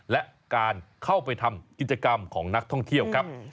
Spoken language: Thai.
และการเข้าไปทำกิจกรรมของนักท่องเที่ยวครับ